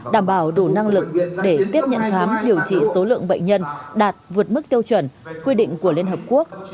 đảm bảo đủ năng lực để tiếp nhận khám điều trị số lượng bệnh nhân đạt vượt mức tiêu chuẩn quy định của liên hợp quốc